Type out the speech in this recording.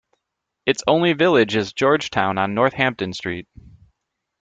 Its only village is Georgetown on Northampton Street.